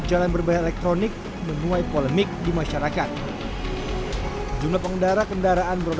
jalan berbahaya elektronik menuai polemik di masyarakat jumlah pengendara kendaraan bermo